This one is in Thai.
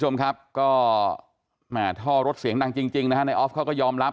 ผมครับก็มาเทารถเสียงดังจริงนะฐานนี้ออฟเขาก็ยอม